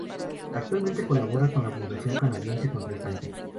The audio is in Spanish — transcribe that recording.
Actualmente colabora con la fundación canadiense contra el cáncer.